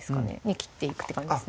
切っていくって感じですね